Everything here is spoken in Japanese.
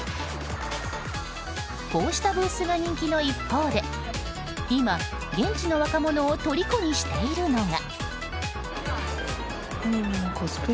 こうしたブースが人気の一方で今、現地の若者をとりこにしているのが。